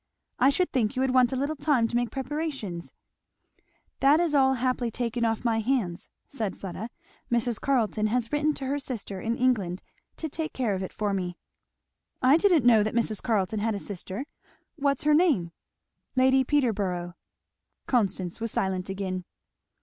"I should think you would want a little time to make preparations." "That is all happily taken off my hands," said Fleda. "Mrs. Carleton has written to her sister in England to take care of it for me." "I didn't know that Mrs. Carleton had a sister. What's her name?" "Lady Peterborough." Constance was silent again.